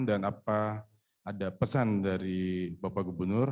dan apa ada pesan dari bapak gubernur